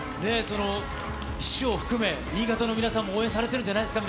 市長含め、新潟の皆さんも応援されてるんじゃないですか？